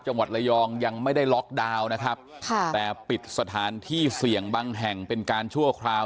จังหวัดระยองยังไม่ได้ล็อกดาวน์นะครับค่ะแต่ปิดสถานที่เสี่ยงบางแห่งเป็นการชั่วคราว